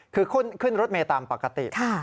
คือขึ้นรถเมย์ตามปกติ